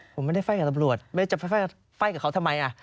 ผมไม่ได้ไฟ่กับตำรวจไม่ได้จะไฟ่กับเขาทำไม